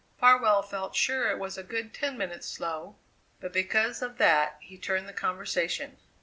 Farwell felt sure it was a good ten minutes slow; but because of that he turned the conversation.